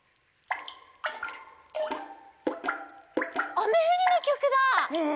「あめふり」のきょくだ！